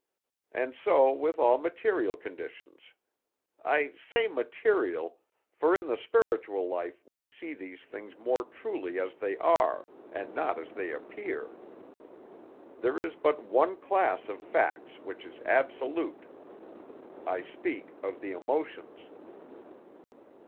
And so with all material conditions; I say material, for in the spiritual life we see these things more truly as they are, and not as they appear. There is but one class of facts which is absolute. I speak of the emotions.